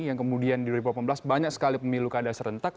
yang kemudian di dua ribu delapan belas banyak sekali pemilu kada serentak